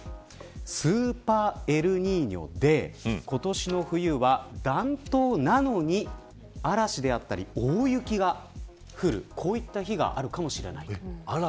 スーパーエルニーニョで今年の冬は暖冬なのに嵐であったり大雪が降るこういった日があるかもしれない。